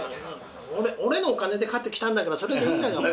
俺のお金で買ってきたんだからそれを言うなよお前。